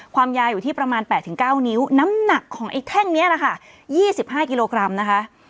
ความยาวอยู่ที่ประมาณ๘๙นิ้วน้ำหนักของไอ้แท่งนี้แหละค่ะ๒๕กิโลกรัมนะคะ